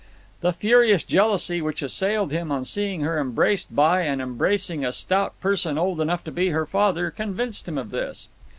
The furious jealousy which assailed him on seeing her embraced by and embracing a stout person old enough to be her father convinced him of this.